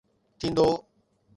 ٿيندو